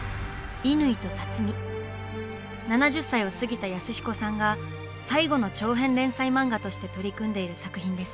７０歳を過ぎた安彦さんが「最後の長編連載漫画」として取り組んでいる作品です。